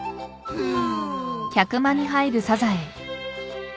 うん。